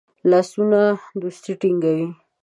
لاسونه دوستی ټینګوي